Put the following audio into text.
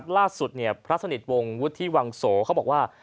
ล่าสุดพระสนิทวงศ์วุฒิวังโสเขาบอกว่า